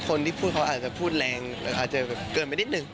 คนที่พูดเขาอาจจะพูดแรงอาจจะแบบเกินไปนิดนึง